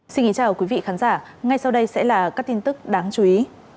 xin kính chào quý vị khán giả ngay sau đây sẽ là các tin tức đáng chú ý